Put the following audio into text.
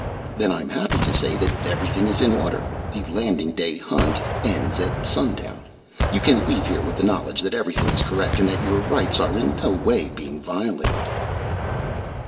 "Then I'm happy to say that everything is in order. The Landing Day Hunt ends at sundown. You can leave here with knowledge that everything is correct and that your rights are in no way being violated."